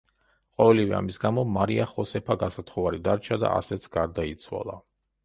ყოველივე ამის გამო, მარია ხოსეფა გასათხოვარი დარჩა და ასეც გარდაიცვალა.